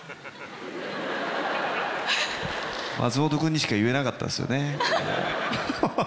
松本君にしか言えなかったんですよね。